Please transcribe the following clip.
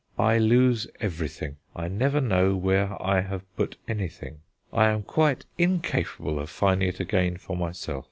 I lose everything: I never know where I have put anything. I am quite incapable of finding it again for myself.